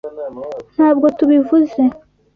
Ntabwo tubivuze.